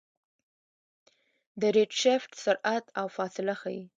د ریډشفټ سرعت او فاصله ښيي.